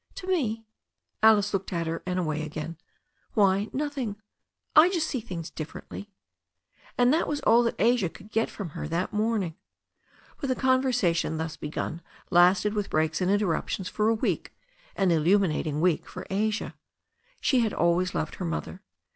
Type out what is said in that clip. "To me?" Alice looked at her and away again. "Why, nothing. I just see things differently." And that was all that Asia could get from her that morn ing. But the conversation thus begun lasted with breaks and interruptions for a week, an illuminating week for Asia. She had always loved her mother.